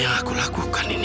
steht aku lakukan ini